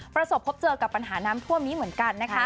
ประสบพบเจอกับปัญหาน้ำท่วมนี้เหมือนกันนะคะ